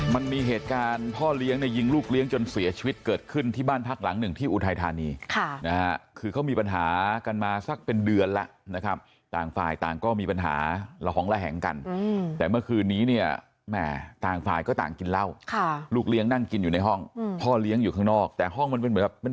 มันมีเหตุการณ์พ่อเลี้ยงเนี่ยยิงลูกเลี้ยงจนเสียชีวิตเกิดขึ้นที่บ้านพักหลังหนึ่งที่อุทัยธานีค่ะนะฮะคือเขามีปัญหากันมาสักเป็นเดือนแล้วนะครับต่างฝ่ายต่างก็มีปัญหาระหองระแหงกันแต่เมื่อคืนนี้เนี่ยแหม่ต่างฝ่ายก็ต่างกินเหล้าค่ะลูกเลี้ยงนั่งกินอยู่ในห้องพ่อเลี้ยงอยู่ข้างนอกแต่ห้องมันเป็นเหมือนแบบเป็น